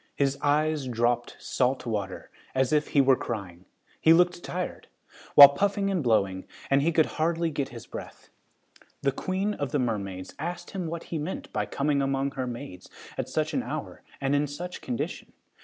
His eyes dropped salt water, as if he were crying. He looked tired, while puffing and blowing, and he could hardly get his breath. The queen of the mermaids asked him what he meant by coming among her maids at such an hour and in such condition.